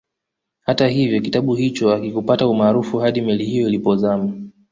Hata hivyo kitabu hicho hakikupata umaarufu hadi meli hiyo ilipozama